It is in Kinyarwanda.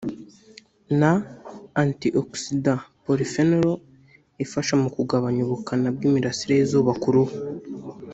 na anti-oxidant polyphenol ifasha mu kugabanya ubukana bw’imirasire y’izuba ku ruhu